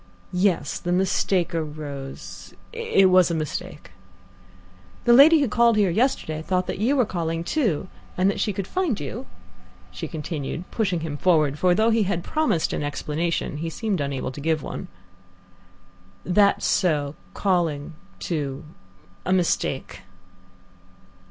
"Yes, the mistake arose it was a mistake." "The lady who called here yesterday thought that you were calling too, and that she could find you?" she continued, pushing him forward, for, though he had promised an explanation, he seemed unable to give one. "That's so, calling too a mistake."